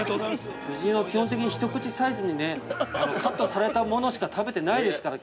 夫人は基本的に一口サイズにカットされたものしか食べてないですから、